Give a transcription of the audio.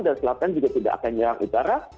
dan selatan juga tidak akan menyerang utara